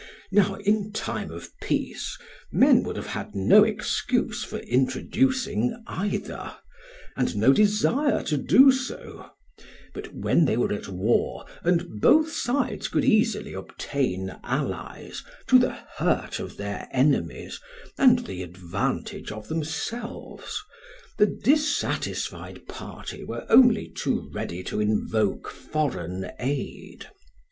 Now in time of peace, men would have had no excuse for introducing either, and no desire to do so; but when they were at war and both sides could easily obtain allies to the hurt of their enemies and the advantage of themselves, the dissatisfied party were only too ready to invoke foreign aid.